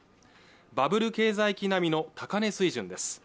バブル経済期並みの高値水準です